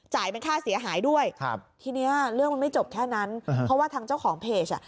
เป็นค่าเสียหายด้วยครับทีนี้เรื่องมันไม่จบแค่นั้นเพราะว่าทางเจ้าของเพจอ่ะ